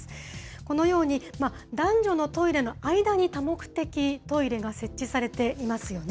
このように、男女のトイレの間に多目的トイレが設置されていますよね。